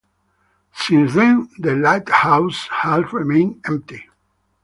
Since then, the lighthouse has remained empty.